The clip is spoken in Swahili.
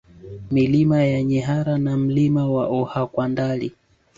Milima ya Nyihara na Mlima wa Ohakwandali